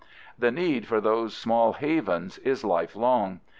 The need for those small havens is lifelong.